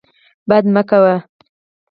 بد مه کوه.